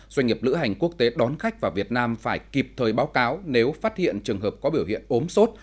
doanh nghiệp lữ hành quốc tế đón khách vào việt nam phải kịp thời báo cáo nếu phát hiện trường hợp có biểu hiện ốm sốt